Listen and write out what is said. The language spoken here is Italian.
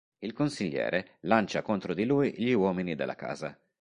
Il consigliere lancia contro di lui gli uomini della casa.